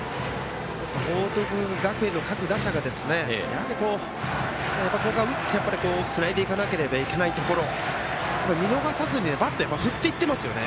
報徳学園の各打者がやはり打って、つないでいかなければいけないところ見逃さずにバット振っていってますよね。